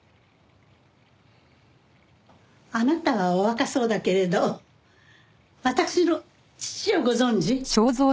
あなたはお若そうだけれど私の父をご存じ？